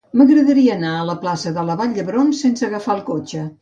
M'agradaria anar a la plaça de la Vall d'Hebron sense agafar el cotxe.